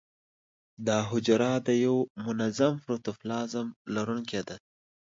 دا حجره د یو منظم پروتوپلازم لرونکې ده.